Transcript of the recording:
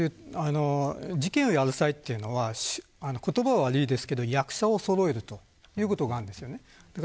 事件を起こす際というのは言葉は悪いですけど役者をそろえるということがあるんです。